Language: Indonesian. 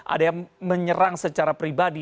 ada yang menyerang secara pribadi